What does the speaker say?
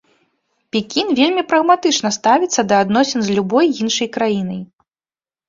Пекін вельмі прагматычна ставіцца да адносін з любой іншай краінай.